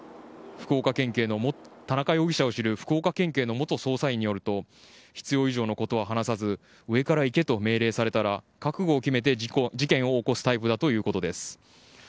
田中容疑者を知る福岡県警の元捜査員によると必要以上のことは話さず上から行けと命令されたら覚悟を決めて事件を起こすタイプだということです。